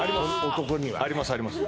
男にはありますあります